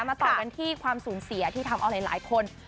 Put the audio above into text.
ต่อกันที่ความสูญเสียที่ทำเอาหลายคน